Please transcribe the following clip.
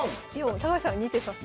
高橋さんが２手指す。